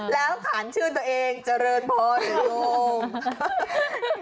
แล้วขานชื่อตัวเองเจริญพรเลย